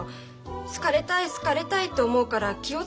好かれたい好かれたいと思うから気を遣っちゃって。